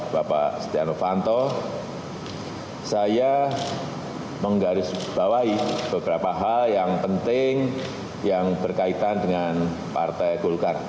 bapak setiano fanto saya menggarisbawahi beberapa hal yang penting yang berkaitan dengan partai gulkar